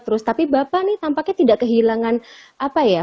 terus tapi bapak ini tampaknya tidak kehilangan apa ya